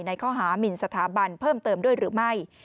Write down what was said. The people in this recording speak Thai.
ในข้อหามินสถาบันเพิ่มเติมด้วยหรือไม่